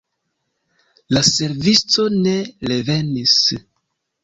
La servisto ne revenis.